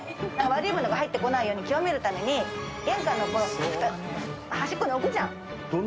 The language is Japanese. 悪いものが入ってこないよう清めるために玄関の端っこに置くじゃん。